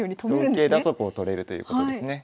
同桂だとこう取れるということですね。